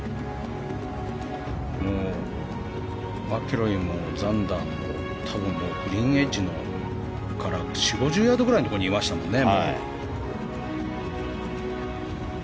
マキロイもザンダーもグリーンエッジから４０５０ヤードぐらいのところにいましたね。